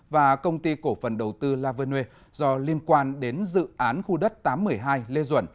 và công ty cổ phần đầu tư la von huê do liên quan đến dự án khu đất tám trăm một mươi hai lê duẩn